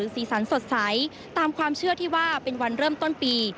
สีสันสดใสตามความเชื่อที่ว่าเป็นวันเริ่มต้นปี